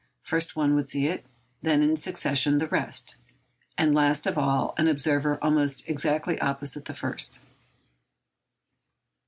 First one would see it, then in succession the rest, and last of all an observer almost exactly opposite the first.